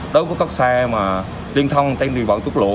đối với các xe mà liên thông trên địa bằng tốt lộ